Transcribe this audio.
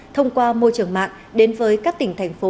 thông qua môi trường mạng đến với các tỉnh thành phố